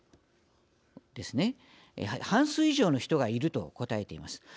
半数以上の人がいると答えています。